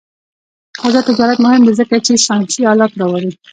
آزاد تجارت مهم دی ځکه چې ساینسي آلات راوړي.